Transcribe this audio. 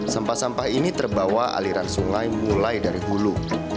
sampah sampah ini terbawa aliran sungai mulai dari hulu